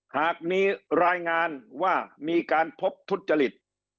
หากมีรายงานว่ามีการพบทุจริต